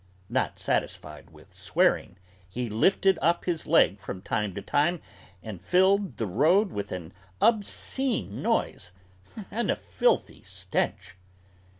Not satisfied with swearing, he lifted up his leg from time to time and filled the road with an obscene noise and a filthy stench.